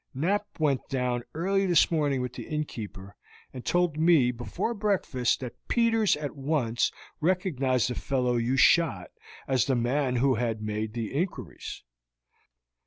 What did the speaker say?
Knapp went down early this morning with the innkeeper, and told me before breakfast that Peters at once recognized the fellow you shot as the man who had made the inquiries.